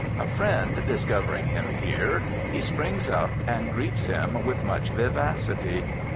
A friend discovering him here, he springs up and greets him with much vivacity.